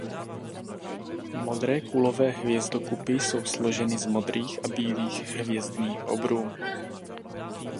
Modré kulové hvězdokupy jsou složeny z modrých a bílých hvězdných obrů.